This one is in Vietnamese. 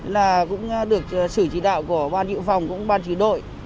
là cũng được sử chỉ đạo của ban dự phòng cũng ban chỉ đội